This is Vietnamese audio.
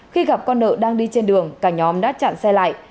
khi gặp con nợ đang đi trên đường cả nhóm đã chặn xe lại